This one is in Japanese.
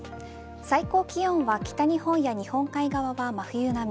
最高気温は北日本や日本海側は真冬並み。